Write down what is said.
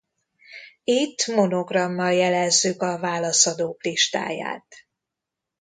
Itt monogrammal jelezzük a válaszadók listáját.